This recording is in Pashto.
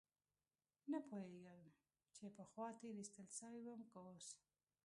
نه پوهېدم چې پخوا تېر ايستل سوى وم که اوس.